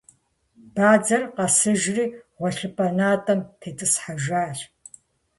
Бадзэр къэсыжри, гъуэлъыпӏэ натӏэм тетӏысхьэжащ.